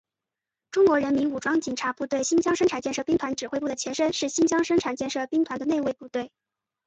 中国人民武装警察部队新疆生产建设兵团指挥部的前身是新疆生产建设兵团的内卫部队。